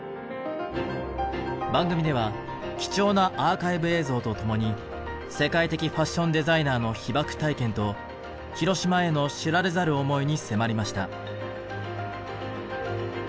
番組では貴重なアーカイブ映像と共に世界的ファッションデザイナーの被爆体験と広島への知られざる思いに迫りました。